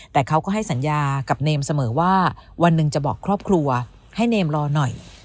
แต่เขาก็ให้สัญญากับเนมเสมอว่าวันหนึ่งจะบอกครอบครัวให้เนมรอหน่อย